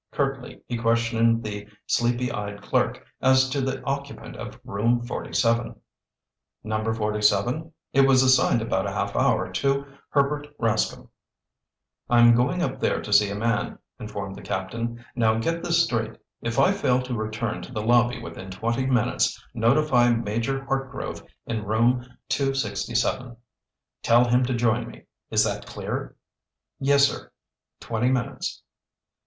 Curtly he questioned the sleepy eyed clerk as to the occupant of Room 47. "Number 47? It was assigned about a half hour ago to Herbert Rascomb." "I'm going up there to see a man," informed the captain. "Now get this straight. If I fail to return to the lobby within twenty minutes, notify Major Hartgrove in Room 267. Tell him to join me. Is that clear?" "Yes, sir. Twenty minutes."